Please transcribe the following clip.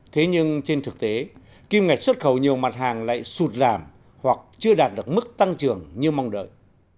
thế nhưng trên thực tế kim ngạch xuất khẩu nhiều mặt hàng lại sụt giảm hoặc chưa đạt được mức tăng trưởng như mong đợi